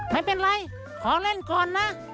ไม่เป็นไรขอเล่นก่อนนะ